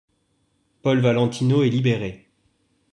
Paul Valentino est libéré.